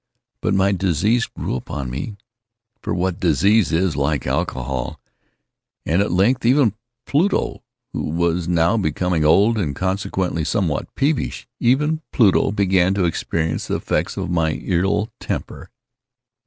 But my disease grew upon me—for what disease is like Alcohol!—and at length even Pluto, who was now becoming old, and consequently somewhat peevish—even Pluto began to experience the effects of my ill temper.